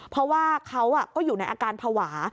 เพราะว่าเขาก็อยู่ในอาการภาวะ